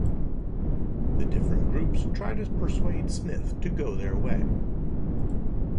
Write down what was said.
The different groups try to persuade Smith to go their way.